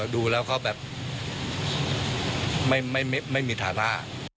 ดูแล้วเขาแบบไม่มีฐานะ